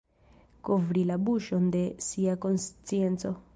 Kovri la buŝon de sia konscienco.